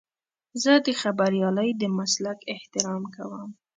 زه د خبریالۍ د مسلک احترام کوم.